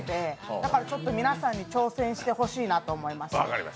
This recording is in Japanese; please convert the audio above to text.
なので、皆さんに挑戦してほしいなと思いました。